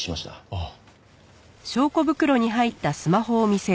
ああ。